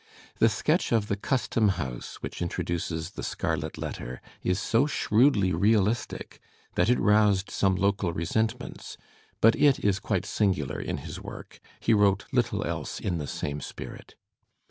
The sketch of the Custom House which introduces "The Scarlet Letter*' is so shrewdly realistic that it roused some local resentments, but it is quite singular in his work; he wrote little else in the same spirit.